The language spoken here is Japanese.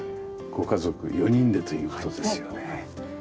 ご家族４人でという事ですよね。